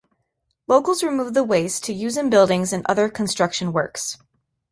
Locals removed the waste to use in buildings and other construction works.